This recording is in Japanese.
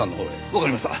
わかりました。